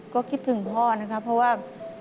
ก็คิดถึงพ่อนะครับเพราะว่า